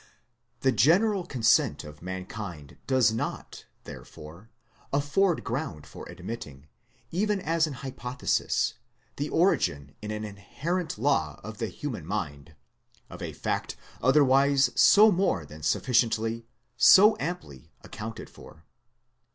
The general consent of mankind does not, there fore, afford ground for admitting, even as an hypo thesis, the origin in an inherent law of the human mind, of a fact otherwise so more than sufficiently, so amply, accounted for.